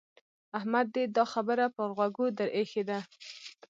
احمد دې دا خبره پر غوږو در اېښې ده.